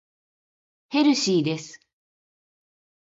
ヘルシーです。